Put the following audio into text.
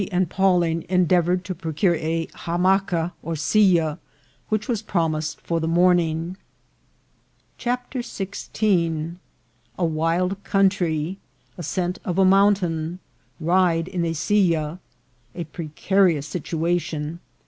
and Pawling endeavoured to procure a ham maca or silla, which was promised for the morning. A WILD COUNTRY. 273 CHAPTER XVI. A wild Country.— Ascent of a Mountain.— Ride in a Silla.— A precarious Situa tion.